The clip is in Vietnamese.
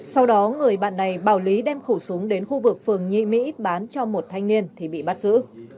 sau đó người bạn này bảo lý đem khẩu súng đến khu vực phường nhị mỹ bán cho một thanh niên thì bị bắt giữ